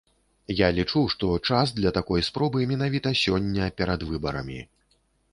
Я лічу, што час для такой спробы менавіта сёння, перад выбарамі.